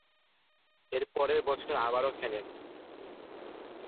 এরপরের বছর আবারও খেলেন।